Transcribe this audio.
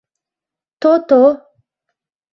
То-то...